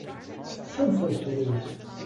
Some place to live!